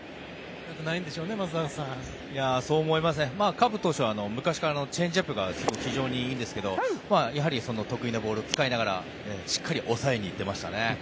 カッブ投手は昔からチェンジアップがすごくいいんですがやはり得意なボールを使いながらしっかり抑えに行ってましたね。